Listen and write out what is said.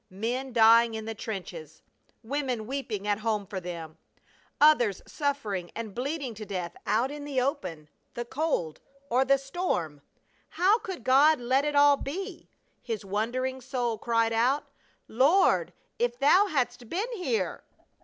Men dying in the trenches! Women weeping at home for them! Others suffering and bleeding to death out in the open, the cold or the storm! How could God let it all be? His wondering soul cried out, "Lord, if Thou hadst been here!"